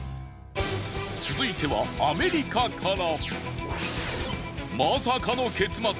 続いてはアメリカから。